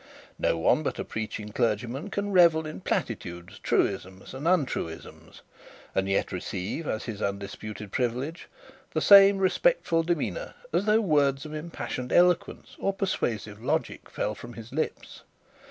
No one but a preaching clergyman can revel in platitudes, truisms, and untruisms, and yet receive, as his undisputed privilege, the same respectful demeanour as though words of impassioned eloquence, or persuasive logic, fell from his lips.